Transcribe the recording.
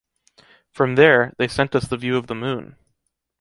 From there, they sent us the view of the Moon.